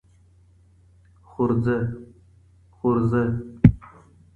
خورينه